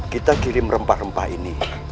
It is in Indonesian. kita kirim rempah rempah ini